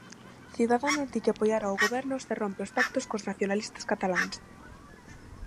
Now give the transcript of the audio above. Ciudadanos di que apoiará o Goberno se rompe os pactos cos nacionalistas cataláns.